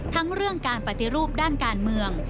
ทั้งเรื่องการปฏิรูปด้านการเมือง